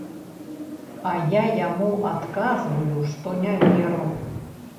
А я яму адказваю, што не веру.